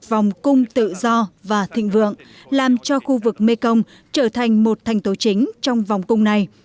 vòng cung tự do và thịnh vượng làm cho khu vực mekong trở thành một thành tố chính trong vòng cung này